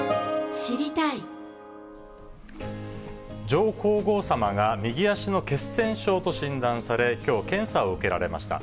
上皇后さまが、右足の血栓症と診断され、きょう検査を受けられました。